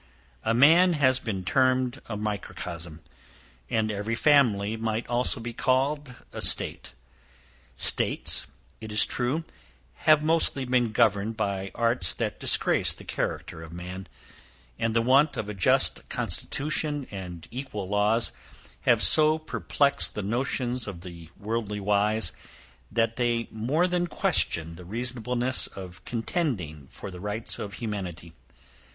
A man has been termed a microcosm; and every family might also be called a state. States, it is true, have mostly been governed by arts that disgrace the character of man; and the want of a just constitution, and equal laws, have so perplexed the notions of the worldly wise, that they more than question the reasonableness of contending for the rights of humanity.